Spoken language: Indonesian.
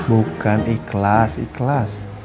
bukan ikhlas ikhlas